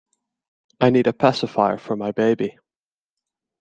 I need a pacifier for my baby.